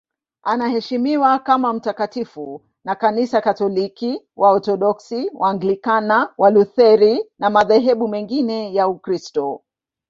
Anaheshimiwa kama mtakatifu na Kanisa Katoliki, Waorthodoksi, Waanglikana, Walutheri na madhehebu mengine ya Ukristo.